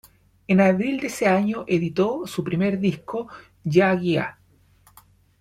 En abril de ese año editó su primer disco, "Jah Guía".